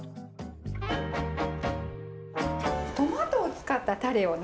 トマトを使ったタレをね